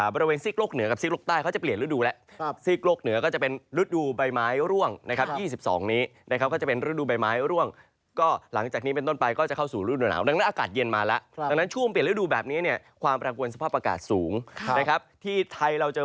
เพราะว่าตอนเนี่ยเป็นช่วงที่มีการ